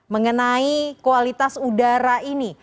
mengenai kualitas udara ini